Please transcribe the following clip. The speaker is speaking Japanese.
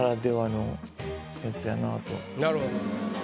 なるほど。